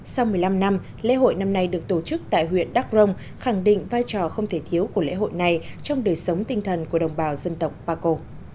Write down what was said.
sau một mươi năm năm lễ hội năm nay được tổ chức tại huyện đắk rông khẳng định vai trò không thể thiếu của lễ hội này trong đời sống tinh thần của đồng bào dân tộc paco